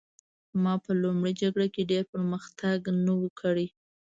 ما په لومړۍ جګړه کې ډېر پرمختګ نه و کړی